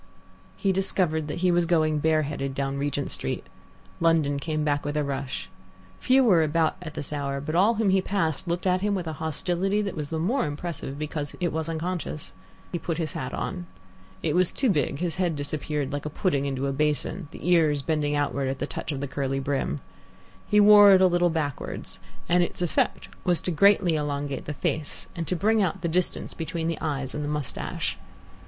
He discovered that he was going bareheaded down Regent Street. London came back with a rush. Few were about at this hour, but all whom he passed looked at him with a hostility that was the more impressive because it was unconscious. He put his hat on. It was too big; his head disappeared like a pudding into a basin, the ears bending outwards at the touch of the curly brim. He wore it a little backwards, and its effect was greatly to elongate the face and to bring out the distance between the eyes and the moustache.